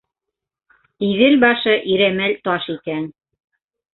Иҙел башы, Ирәмәл таш икән.